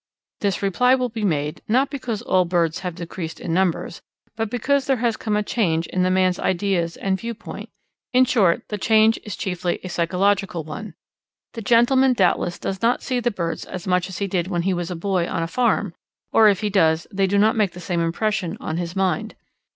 This reply will be made, not because all birds have decreased in numbers, but because there has come a change in the man's ideas and viewpoint; in short, the change is chiefly a psychological one. The gentleman doubtless does not see the birds as much as he did when he was a boy on a farm, or if he does, they do not make the same impression on his mind.